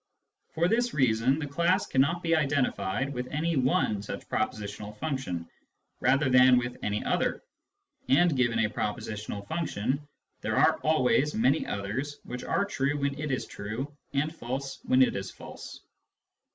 For this reason the class cannot be identi fied with any one such propositional function rather than with any other — and given a propositional function, there are always many others which are true when it is true and false when it is false.